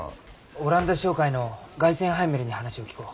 オランダ商会のガイセンハイメルに話を聞こう。